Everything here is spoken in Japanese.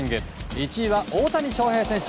１位は大谷翔平選手。